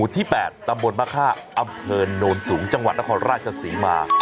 ที่๘ตำบลมะค่าอำเภอโนนสูงจังหวัดนครราชศรีมา